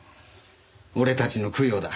俺たちの供養だ。